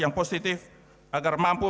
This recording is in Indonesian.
yang positif agar mampu